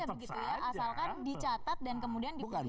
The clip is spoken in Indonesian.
asalkan dicatat dan kemudian diperlukan